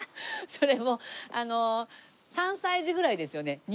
それもう３歳児ぐらいですよね